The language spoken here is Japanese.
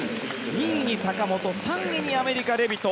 ２位に坂本３位にアメリカ、レビト。